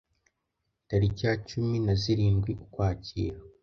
tariki ya cumi naz zirindwi Ukwakira